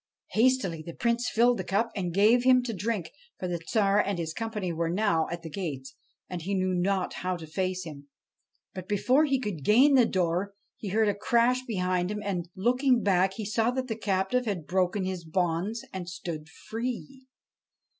Hastily the Prince filled the cup and gave him to drink, for the Tsar and his company were now at the gates, and he knew not how to face him. But, before he could gain the door, he heard a crash behind him ; and, looking back, he saw that the captive had broken his bonds and stood free.